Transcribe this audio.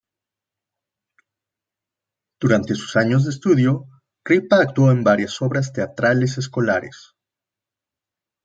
Durante sus años de estudio, Ripa actuó en varias obras teatrales escolares.